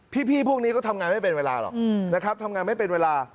พี่พวกนี้ก็ทำงานไม่เป็นเวลาหรอกนะครับทำงานไม่เป็นเวลา